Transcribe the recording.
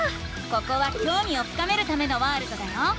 ここはきょうみを深めるためのワールドだよ。